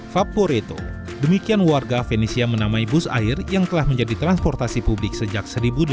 vaporetto demikian warga venisia menamai bus air yang telah menjadi transportasi publik sejak seribu delapan ratus delapan puluh satu